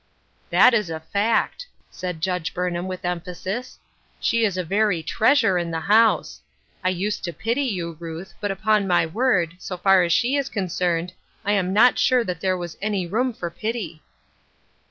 " That is a fact," said Judge Burnham, with emphasis. " She is a very treasure in the house. I used to pity you, Ruth, but, upon my word, so far as she is concerned, I am not sure that there was any room for pity."